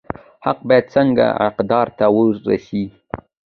حق باید څنګه حقدار ته ورسي؟